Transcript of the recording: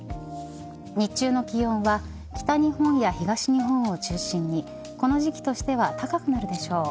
日中の気温は北日本や東日本を中心にこの時期としては高くなるでしょう。